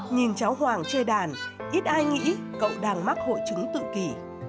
nhìn cháu hoàng chơi đàn ít ai nghĩ cậu đang mắc hội chứng tự kỷ